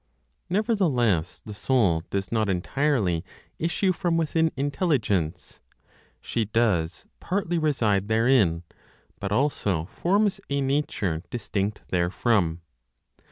Nevertheless, the Soul does not entirely issue from within Intelligence; she does partly reside therein, but also forms (a nature) distinct therefrom.